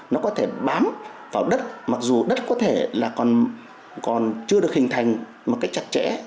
nó có thể bám vào đất mặc dù đất có thể là còn chưa được hình thành một cách chặt chẽ